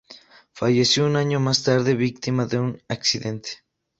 Falleció un año más tarde víctima de un accidente.